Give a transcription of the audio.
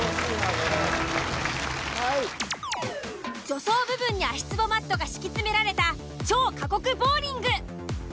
助走部分に足つぼマットが敷き詰められた超過酷ボウリング。